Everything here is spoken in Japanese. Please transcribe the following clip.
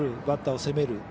バッターを攻める。